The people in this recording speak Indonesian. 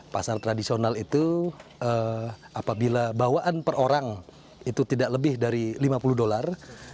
pasar tradisional itu apabila bawaan per orang itu tidak lebih dari lima puluh dolar